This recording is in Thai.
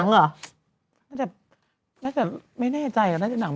น่าจะไม่แน่ใจ